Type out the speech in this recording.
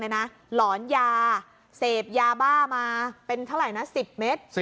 หลอนยาเสพยาบ้ามาเป็นเท่าไหร่นะ๑๐เมตร